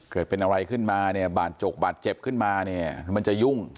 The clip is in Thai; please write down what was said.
เกิดเป็นอะไรขึ้นมาเนี่ยบาดจกบาดเจ็บขึ้นมาเนี่ยมันจะยุ่ง